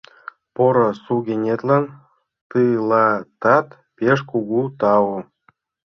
— Поро сугынетлан тылатат пеш кугу тау!